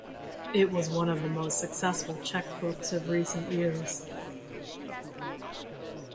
It was one of the most successful Czech books of recent years.